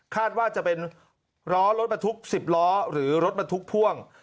ว่าจะเป็นล้อรถบรรทุก๑๐ล้อหรือรถบรรทุกพ่วง